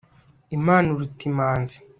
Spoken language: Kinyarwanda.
imana iruta imanzi